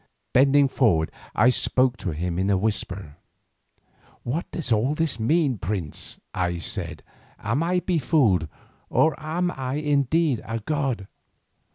Bending forward I spoke to him in a whisper: "What does all this mean, prince?" I said. "Am I befooled, or am I indeed a god?"